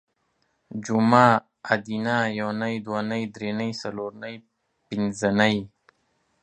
جومه ادینه یونۍ دونۍ درېنۍ څلورنۍ پنځنۍ